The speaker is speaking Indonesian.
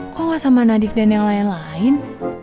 kok gak sama nadik dan yang lain lain